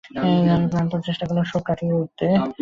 আমি প্রাণপণ চেষ্টা করলাম শোক কাটিয়ে উঠতে।